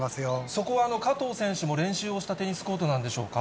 そこは加藤選手も練習をしたテニスコートなんでしょうか？